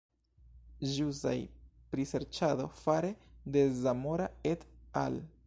Ĵusaj priserĉado fare de Zamora "et al.